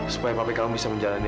supaya kamu bisa menjalani